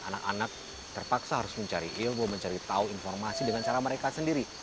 anak anak terpaksa harus mencari ilmu mencari tahu informasi dengan cara mereka sendiri